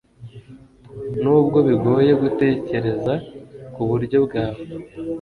Nubwo bigoye gutekereza ku buryo bwawe